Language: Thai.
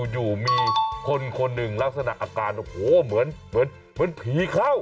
อยู่มีคนหนึ่งลักษณะอาการว่าเหมือนผีข้าว